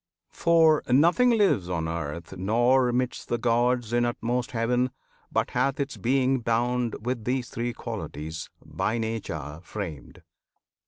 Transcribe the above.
For nothing lives on earth, nor 'midst the gods In utmost heaven, but hath its being bound With these three Qualities, by Nature framed.